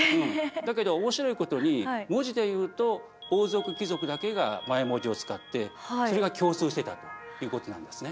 だけど面白いことに文字でいうと王族貴族だけがマヤ文字を使ってそれが共通してたということなんですね。